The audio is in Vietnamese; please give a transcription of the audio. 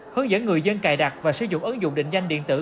hướng dẫn người dân cài đặt và sử dụng ứng dụng định danh điện tử